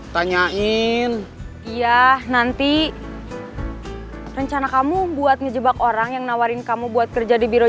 tanyain iya nanti rencana kamu buat ngejebak orang yang nawarin kamu buat kerja di biro